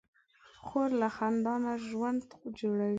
خور له خندا نه ژوند جوړوي.